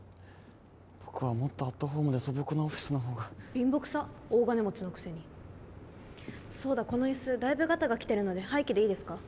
僕はもっとアットホームで素朴なオフィスのほうが貧乏くさっ大金持ちのくせにそうだこのイスだいぶガタがきてるので廃棄でいいですか？